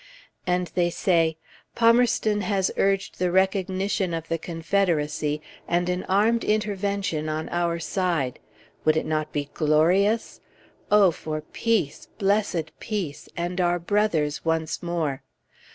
And they say "Palmerston has urged the recognition of the Confederacy, and an armed intervention on our side." Would it not be glorious? Oh, for peace, blessed peace, and our brothers once more!